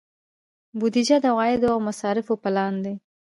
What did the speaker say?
بودجه د عوایدو او مصارفو پلان دی